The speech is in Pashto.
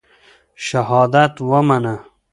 شهادت ومنه.